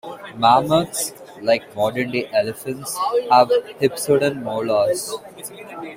Mammoths, like modern day elephants, have hypsodont molars.